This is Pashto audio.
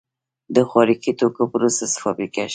د خوراکي توکو پروسس فابریکې شته